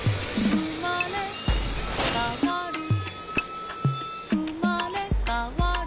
「うまれかわるうまれかわる」